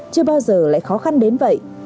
chưa bao giờ lại khó khăn đến vậy